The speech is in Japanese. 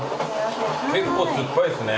結構酸っぱいっすね。